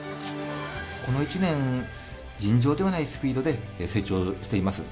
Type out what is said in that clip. この１年、尋常ではないスピードで、成長しています。